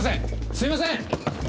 すいません！